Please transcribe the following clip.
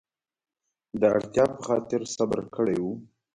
د اړتیا په خاطر صبر کړی و.